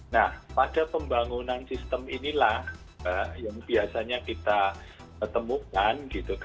nah pada pembangunan sistem inilah yang biasanya kita temukan